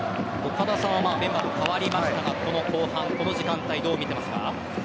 メンバー代わりましたが後半この時間帯どう見ていますか？